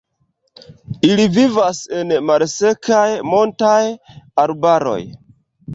Ili vivas en malsekaj montaj arbaroj.